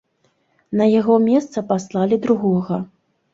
На яго месца паслалі другога.